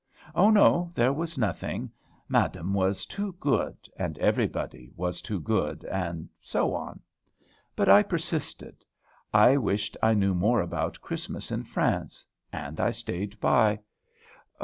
Oh, no! there was nothing; madame was too good, and everybody was too good, and so on. But I persisted. I wished I knew more about Christmas in France; and I staid by.